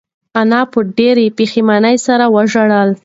انا په ډېرې پښېمانۍ سره وژړل.